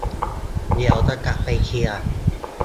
เดี๋ยวจะกลับไปเคลียร์